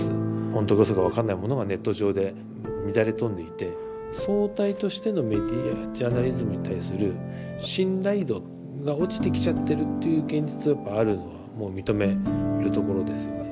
ほんとかうそか分かんないものがネット上で乱れ飛んでいて総体としてのメディアジャーナリズムに対する信頼度が落ちてきちゃってるっていう現実がやっぱあるのはもう認めるところですよね。